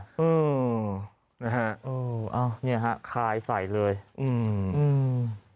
อืมนะฮะอ้าวเนี่ยฮะคายใส่เลยอืมอืม